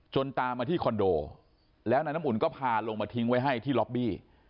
ตามมาที่คอนโดแล้วนายน้ำอุ่นก็พาลงมาทิ้งไว้ให้ที่ล็อบบี้